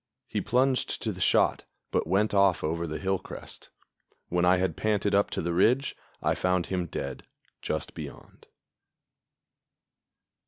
He plunged to the shot, but went off over the hill crest. When I had panted up to the ridge, I found him dead just beyond.